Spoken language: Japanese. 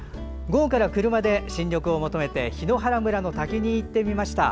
午後から車で、新緑を求めて檜原村の滝に行ってみました。